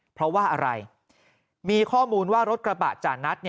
เพราะว่าอะไรมีข้อมูลว่ารถกระบะจานัท